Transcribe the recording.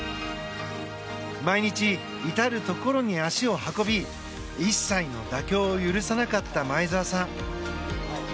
毎日、至るところに足を運び一切の妥協を許さなかった前沢さん。